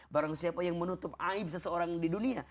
barang siapa yang menutup aib seseorang di dunia